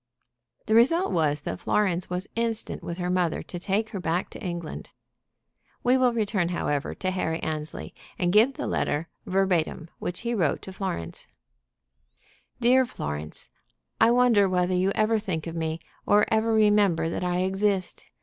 The result was that Florence was instant with her mother to take her back to England. We will return, however, to Harry Annesley, and give the letter, verbatim, which he wrote to Florence: "DEAR FLORENCE, I wonder whether you ever think of me or ever remember that I exist?